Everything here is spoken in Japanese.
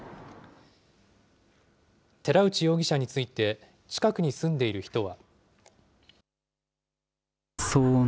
寺内容疑者について、近くに住んでいる人は。